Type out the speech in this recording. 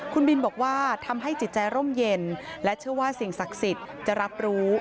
คุณบินบอกว่าทำให้จิตใจร่มเย็นและเชื่อว่าสิ่งศักดิ์สิทธิ์จะรับรู้